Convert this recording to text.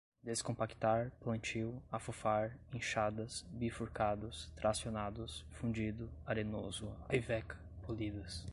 descompactar, plantio, afofar, enxadas, bifurcados, tracionados, fundido, arenoso, aiveca, polidas